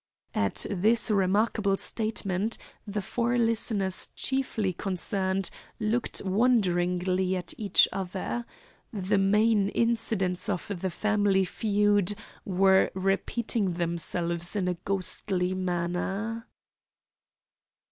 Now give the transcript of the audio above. At this remarkable statement the four listeners chiefly concerned looked wonderingly at each other. The main incidents of the family feud were repeating themselves in a ghostly manner.